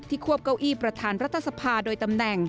ควบเก้าอี้ประธานรัฐสภาโดยตำแหน่ง